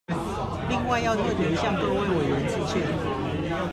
另外要特別向各位委員致歉